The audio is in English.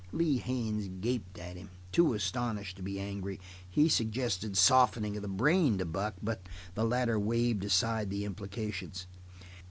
Lee Haines gaped at him, too astonished to be angry. He suggested softening of the brain to Buck, but the latter waved aside the implications.